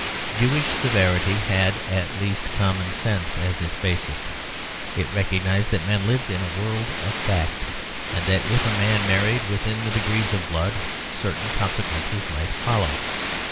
Jewish severity had at least common sense as its basis; it recognised that men lived in a world of fact, and that if a man married within the degrees of blood certain consequences might follow.